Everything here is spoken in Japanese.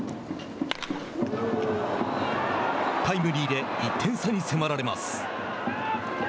タイムリーで１点差に迫られます。